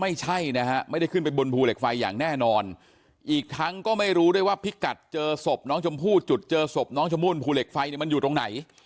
อีกทั้งก็ไม่รู้ด้วยว่าพิกัดเจอศพน้องชมพู่จุดเจอศพน้องชมวุ่นภูเหล็กไฟมันอยู่ตรงไหน